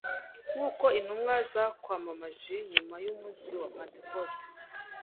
nk’uko intumwa zakwamamaje nyuma y’umunsi wa Pentekoti.